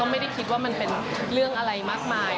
ไม่ได้คิดว่ามันเป็นเรื่องอะไรมากมาย